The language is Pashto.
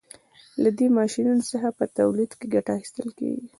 له دې ماشینونو څخه په تولید کې ګټه اخیستل کیږي.